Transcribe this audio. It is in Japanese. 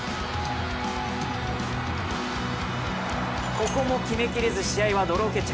ここも決めきれず、試合はドロー決着。